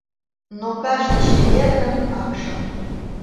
Но кажне «чеверынын» акшым